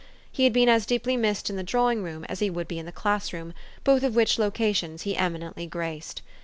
He had been as deeply missed in the drawing room as he would be in the class room, both of which locations he emi nently graced.